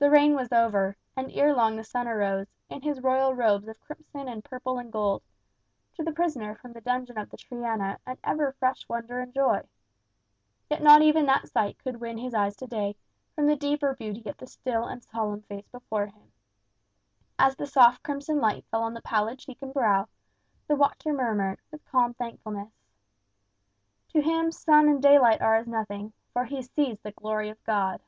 The rain was over, and ere long the sun arose, in his royal robes of crimson and purple and gold to the prisoner from the dungeon of the Triana an ever fresh wonder and joy. Yet not even that sight could win his eyes to day from the deeper beauty of the still and solemn face before him. And as the soft crimson light fell on the pallid cheek and brow, the watcher murmured, with calm thankfulness, "'To him sun and daylight are as nothing, for he sees the glory of God.